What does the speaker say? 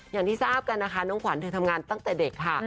อย่างที่ทราบกันนะคะน้องขวัญเธอทำงานตั้งแต่เด็กค่ะ